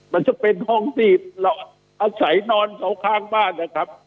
มันจะเป็นห้องที่เราใช้นอนข้างบ้านนะครับ